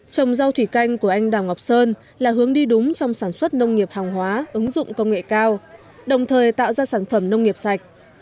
trồng rau thủy canh của anh đào ngọc sơn là hướng đi đúng trong sản xuất nông nghiệp hàng hóa ứng dụng công nghệ cao đồng thời tạo ra sản phẩm nông nghiệp sạch